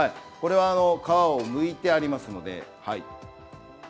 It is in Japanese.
これは皮をむいてありますので。